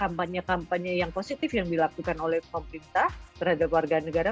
kampanye kampanye yang positif yang dilakukan oleh pemerintah terhadap warga negara